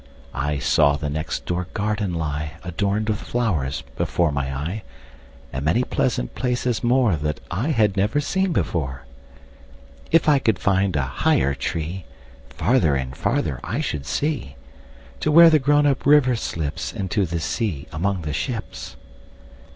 I saw the next door garden lie, Adorned with flowers, before my eye, And many pleasant places moreThat I had never seen before. If I could find a higher treeFarther and farther I should see, To where the grown up river slipsInto the sea among the ships.